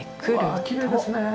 うわきれいですね。